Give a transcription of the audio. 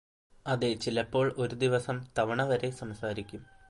അതെചിലപ്പോൾ ഒരുദിവസം തവണവരെ സംസാരിക്കും